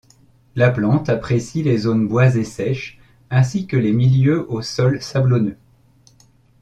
La plante apprécie les zones boisées sèches ainsi que les milieux au sol sablonneux.